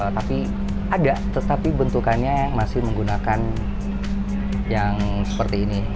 tapi ada tetapi bentukannya masih menggunakan yang seperti ini